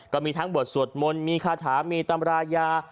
ก็มีทั้งบทสวดมนต์มีคาถามีตำรายา